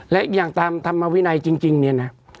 และอย่างตามธรรมวินัยจริงเนี่ยนะ